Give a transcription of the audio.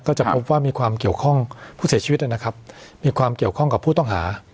จะพบว่ามีความเกี่ยวข้องผู้เสียชีวิตนะครับมีความเกี่ยวข้องกับผู้ต้องหา